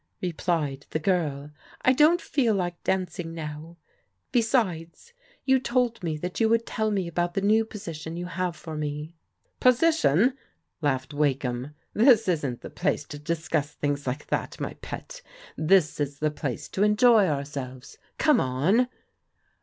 replied the girl. "I don't feel like dancing now. Besides, you told me that you would tell me about the new position you have iot toe 23S PB0DI6AL DAUOHTEBS "Position!'' laughed WakdianL "This isn't tbe place to discuss things like that, my pet. This is the place to enjoy ourselves. Come on."